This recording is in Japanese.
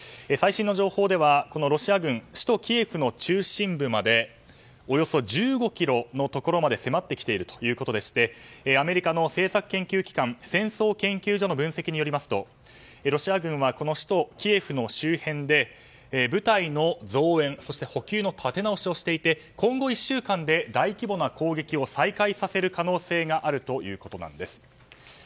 最新の情報ではロシア軍首都キエフの中心部までおよそ１５ｋｍのところまで迫ってきているということでしてアメリカの政策研究機関戦争研究所の分析によりますとロシア軍は首都キエフの周辺で部隊の増援、そして補給の立て直しをしていて今後１週間で大規模な攻撃を再開させる可能性があるということなんです。